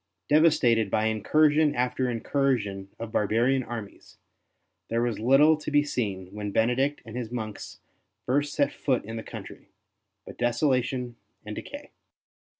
Devastated by incursion after incursion of barbarian armies, there was little to be seen, when Benedict and his monks first set foot in the country, but desolation and decay.